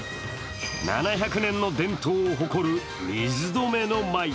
７００年の伝統を誇る水止舞。